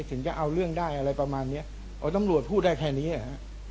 ถึงจะเอาเรื่องได้อะไรประมาณเนี้ยอ๋อตำรวจพูดได้แค่นี้แหละฮะ